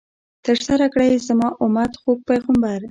ترسره کړئ، زما امت ، خوږ پیغمبر